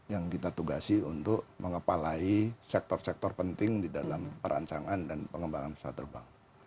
yang kita tugasi untuk mengepalai sektor sektor penting di dalam perancangan dan pengembangan pesawat terbang